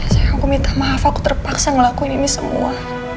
saya aku minta maaf aku terpaksa ngelakuin ini semua